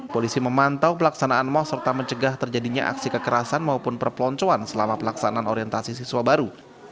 polisi memantau pelaksanaan mal serta mencegah terjadinya aksi kekerasan maupun perpeloncoan selama pelaksanaan orientasi siswa baru